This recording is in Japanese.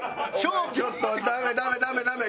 お前ちょっとダメダメダメダメ。